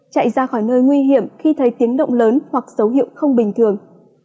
chạy ra khỏi nơi nguy hiểm khi thấy tiếng động lớn hoặc dấu hiệu không bình thường